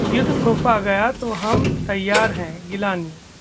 युद्ध थोपा गया, तो हम तैयार हैं: गिलानी